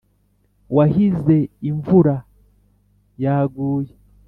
wahize imvura yaguye